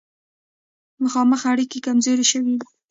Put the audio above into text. مخامخ اړیکې کمزورې شوې دي.